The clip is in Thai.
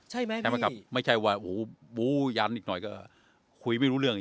ใช่ไหมใช่ไหมครับไม่ใช่ว่าโหบู๊ยันอีกหน่อยก็คุยไม่รู้เรื่อง